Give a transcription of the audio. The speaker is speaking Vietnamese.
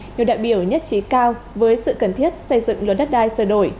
nhiều đại biểu nhất trí cao với sự cần thiết xây dựng luật đất đai sửa đổi